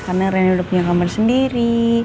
karena renny udah punya kamar sendiri